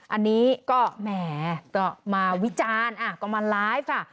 อันนี้ก็แหมก็มาวิจารณ์ก็มาไลฟ์ค่ะ